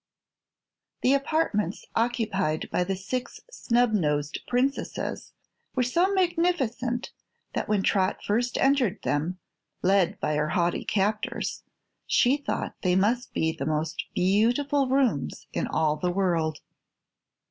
The apartments occupied by the Six Snubnosed Princesses were so magnificent that when Trot first entered them, led by her haughty captors, she thought they must be the most beautiful rooms in all the world.